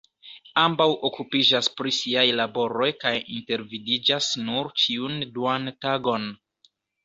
Ambaŭ okupiĝas pri siaj laboroj kaj intervidiĝas nur ĉiun duan tagon.